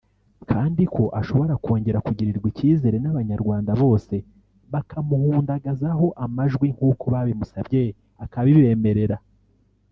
kandi ko ashobora kongera kugirirwa ikizere n’abanyarwanda bose bakamuhundagazaho amajwi nkuko babimusabye akabibemerera